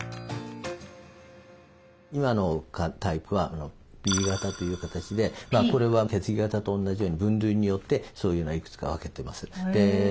今のタイプはＰ型という形でこれは血液型と同じように分類によってそういうのはいくつか分けてます。